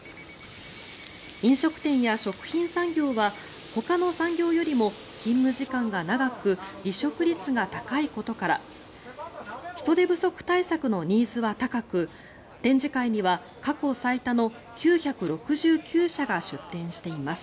飲食店や食品産業はほかの産業よりも勤務時間が長く離職率が高いことから人手不足対策のニーズは高く展示会には過去最多の９６９社が出展しています。